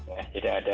jadi ada perbedaan